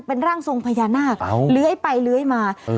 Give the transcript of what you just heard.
เป็นร่างทรงพญานาคเลื้อยไปเลื้อยมา